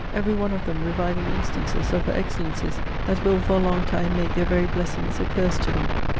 Every one of them reviving instances of her excellencies that will for a long time make their very blessings a curse to them!